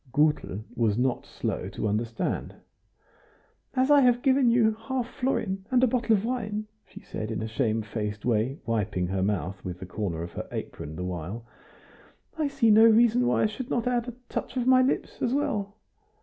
Gutel was not slow to understand. "As I have given you a half florin and a bottle of wine," she said, in a shamefaced way, wiping her mouth with the corner of her apron the while, "I see no reason why I should not add a touch of my lips as well."